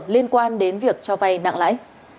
liên quan đến việc cho vay nặng lãi